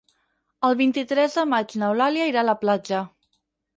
El vint-i-tres de maig n'Eulàlia irà a la platja.